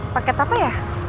paket apa ya